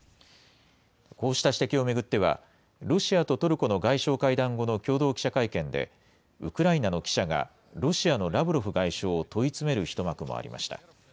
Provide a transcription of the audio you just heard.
こうした指摘を巡っては、ロシアとトルコの外相会談後の共同記者会見で、ウクライナの記者がロシアのラブロフ外相を問い詰める一幕もありました。